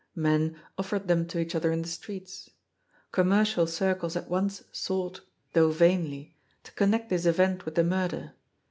Men offered them to each other in the streets. Commercial cir cles at once sought, though vainly, to connect this event with the murder.